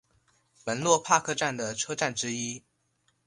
门洛帕克站的车站之一。